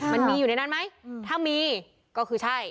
มันมีอยู่ในนั้นไหมถ้ามีก็คือใช่